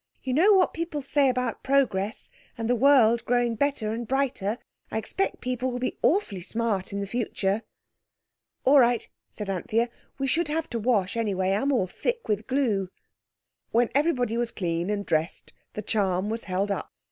"You know what people say about progress and the world growing better and brighter. I expect people will be awfully smart in the future." "All right," said Anthea, "we should have to wash anyway, I'm all thick with glue." When everyone was clean and dressed, the charm was held up.